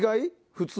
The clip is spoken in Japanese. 普通？